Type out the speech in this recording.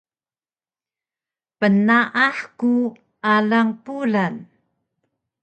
Pnaah ku alang Pulan